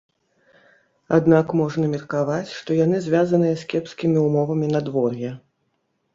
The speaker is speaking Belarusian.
Аднак можна меркаваць, што яны звязаныя з кепскімі ўмовамі надвор'я.